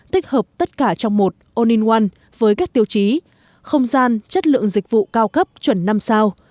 tích hợp tất cả trong một all in one với các tiêu chí không gian chất lượng dịch vụ cao cấp chuẩn năm sao